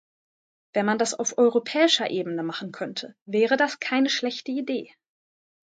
Wenn man das auf europäischer Ebene machen könnte, wäre das keine schlechte Idee.